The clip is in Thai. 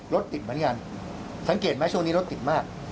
รถติดเหมือนกันสังเกตไหมช่วงนี้รถติดมาก